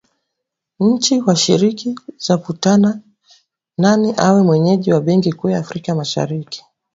Nchi washiriki zavutana nani awe mwenyeji wa benki kuu ya Afrika Mashariki